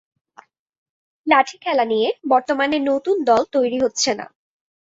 লাঠি খেলা নিয়ে বর্তমানে নতুন দল তৈরি হচ্ছে না।